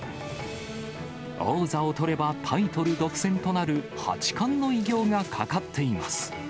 王座を取ればタイトル独占となる八冠の偉業がかかっています。